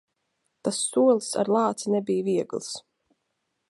Tas solis ar lāci nebija viegls.